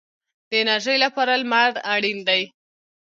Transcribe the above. د انرژۍ لپاره لمر اړین دی